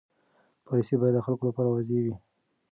پالیسي باید د خلکو لپاره واضح وي.